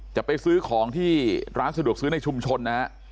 จะไปซื้อของที่ร้านสะดวกซื้อในชุมชนนะฮะ